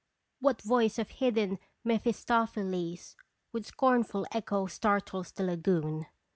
What voice of hidden Mephistopheles With scornful echo startles the lagoon?